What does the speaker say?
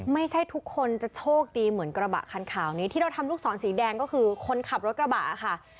ไม่ใช่ทุกคนจะโชคดีเหมือนกระบะคันขาวนี้ที่เราทำลูกศรสีแดงก็คือคนขับรถกระบะค่ะ